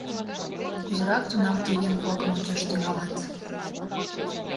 Кузерак тунам тый еҥ-влакым ончаш тӱҥалат?